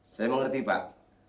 saya mengerti pak